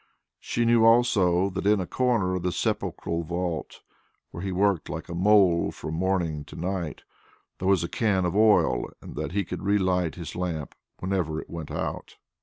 She knew also that in a corner of the sepulchral vault, where he worked like a mole from morning to night, there was a can of oil, and that he could re light his lamp whenever it went out.